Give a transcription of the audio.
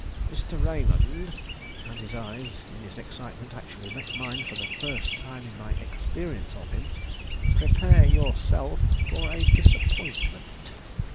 Mr. Raymond," and his eyes, in his excitement, actually met mine for the first time in my experience of him, "prepare yourself for a disappointment.